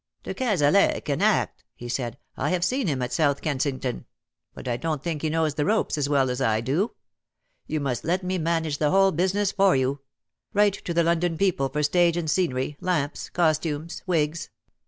" De Cazalet can act,'' he said. " I have seen him at South Kensington ; but I don't think he knows the ropes as well as I do. You must let me DELIGHT IS IN HER FACe/'' 191 manage the whole business for you ; write to the London people for stage and scenery, lamps, costumes, wigs.